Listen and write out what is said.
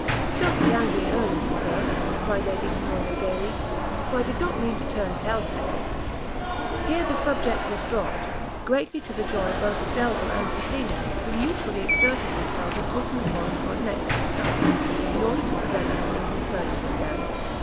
"Don't be angry in earnest, Sir," cried Lady Honoria, gaily, "for I did not mean to turn tell tale." Here the subject was dropt; greatly to the joy both of Delvile and Cecilia, who mutually exerted themselves in talking upon what next was started, in order to prevent its being recurred to again.